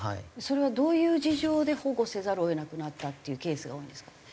それはどういう事情で保護せざるを得なくなったっていうケースが多いんですか？